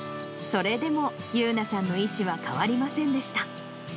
それでも、優奈さんの意思は変わりませんでした。